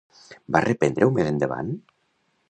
Va reprendre-ho més endavant?